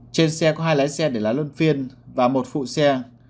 trên xe có hai lái xe để lái lươn phiên và một phụ xe